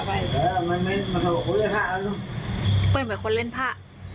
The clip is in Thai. เหมือนเหมือนคนเล่นผ้า